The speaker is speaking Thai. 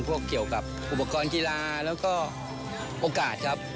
เกี่ยวกับอุปกรณ์กีฬาแล้วก็โอกาสครับ